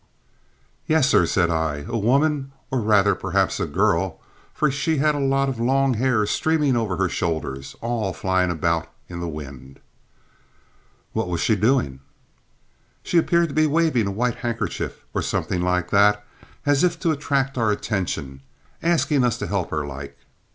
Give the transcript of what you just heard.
"Yes, sir," said I. "A woman, or rather, perhaps a girl, for she had a lot of long hair streaming over her shoulders, all flying about in the wind." "What was she doing?" "She appeared to be waving a white handkerchief or something like that, as if to attract our attention asking us to help her, like."